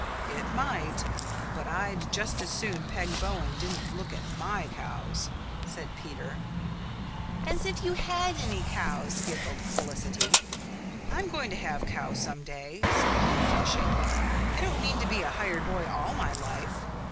"It might. But I'd just as soon Peg Bowen didn't look at MY cows," said Peter. "As if you had any cows!" giggled Felicity. "I'm going to have cows some day," said Peter, flushing. "I don't mean to be a hired boy all my life.